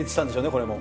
これも。